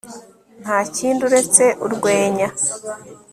Ntakindi uretse urwenya